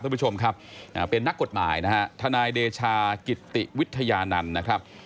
ท่านผู้ชมครับเป็นนักกฎหมายนะฮะทนายเดชากิติวิทยานันต์นะครับ